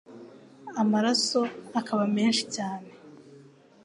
amaraso akaba menshi cyane